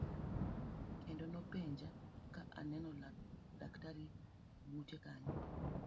Kendo nopenja ka aneno daktari bute kanyo.